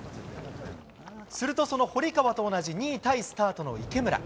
するとその堀川と同じ、２位タイスタートの池村。